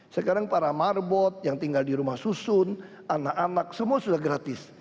sekarang para marbot yang tinggal di rumah susun anak anak semua sudah gratis